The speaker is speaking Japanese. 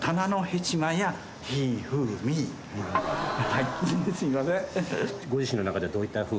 はいすみません。